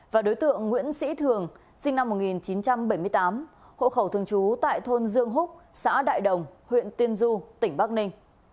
và đối tượng nguyễn sĩ thường sinh năm một nghìn chín trăm bảy mươi tám hộ khẩu thường trú tại thôn dương húc xã đại đồng huyện tiên du tỉnh bắc ninh